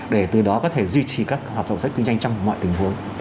để từ đó có thể duy trì các hợp dụng sách kinh doanh trong mọi tình huống